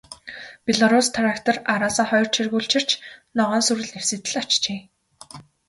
Белорусс трактор араасаа хоёр чиргүүл чирч, ногоон сүрэл нэвсийтэл ачжээ.